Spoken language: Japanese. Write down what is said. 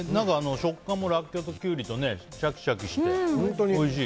食感もラッキョウとキュウリとシャキシャキしておいしい。